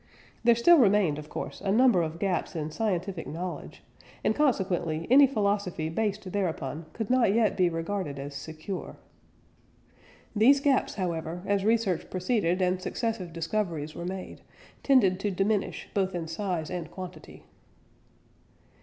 There still remained, of course, a number of gaps in scientific knowledge, and consequently any philosophy based thereupon could not yet be regarded as secure. These gaps, however, as research proceeded and successive discoveries were made, tended to diminish both in size and quantity.